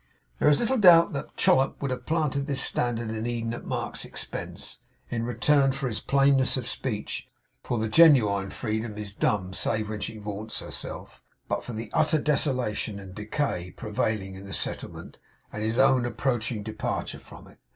There is little doubt that Chollop would have planted this standard in Eden at Mark's expense, in return for his plainness of speech (for the genuine Freedom is dumb, save when she vaunts herself), but for the utter desolation and decay prevailing in the settlement, and his own approaching departure from it.